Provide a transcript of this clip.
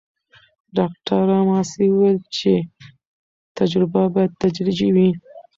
ډاکټره ماسي وویل چې تجربه باید تدریجي وي.